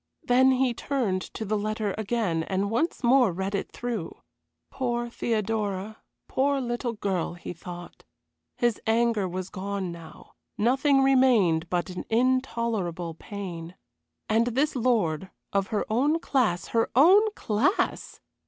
Then he turned to the letter again and once more read it through. Poor Theodora, poor little girl, he thought. His anger was gone now; nothing remained but an intolerable pain. And this lord of her own class her own class!